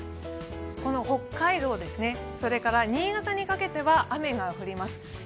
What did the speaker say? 北海道ですね、新潟にかけては雨が降ります。